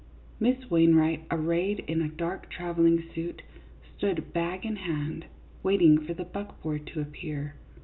Miss Wainwright, arrayed in a dark travelling suit, stood, bag in hand, waiting for the buckboard to appear.